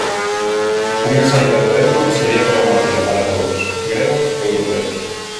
Unha saída do euro sería traumática para todos, gregos e europeos.